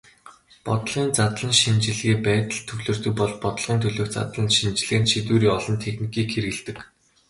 Бодлогын задлан шинжилгээ байдалд төвлөрдөг бол бодлогын төлөөх задлан шинжилгээнд шийдвэрийн олон техникийг хэрэглэдэг.